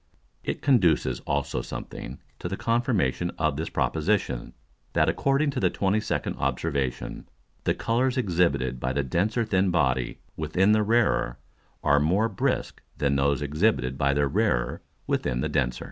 It conduces also something to the confirmation of this Proposition, that, according to the 22d Observation, the Colours exhibited by the denser thin Body within the rarer, are more brisk than those exhibited by the rarer within the denser.